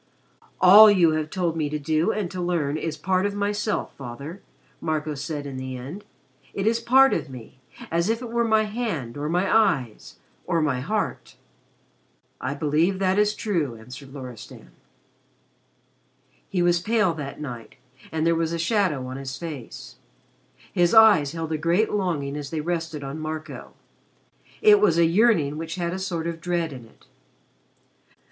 "All you have told me to do and to learn is part of myself, Father," Marco said in the end. "It is part of me, as if it were my hand or my eyes or my heart." "I believe that is true," answered Loristan. He was pale that night and there was a shadow on his face. His eyes held a great longing as they rested on Marco. It was a yearning which had a sort of dread in it.